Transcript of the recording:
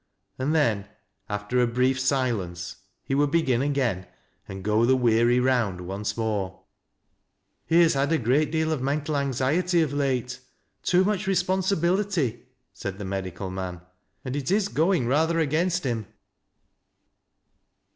And then, after a brief silence, he would begin again and go the weary round once more. " He has had a great deal of mental anxiety of late, too much responsibility," sa d tlu medical roan; "smd il ifi ^uiog rather against him.'